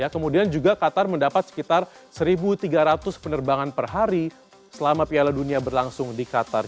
kemudian juga qatar mendapat sekitar satu tiga ratus penerbangan per hari selama piala dunia berlangsung di qatar